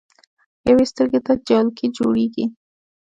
يوې سترګې ته جالکي جوړيږي